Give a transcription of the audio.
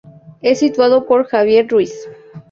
Es sustituido por Javier Ruiz.